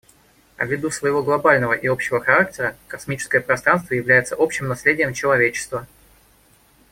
Ввиду своего глобального и общего характера космическое пространство является общим наследием человечества.